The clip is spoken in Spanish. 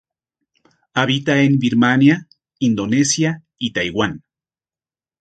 Habita en Birmania, Indonesia y Taiwán.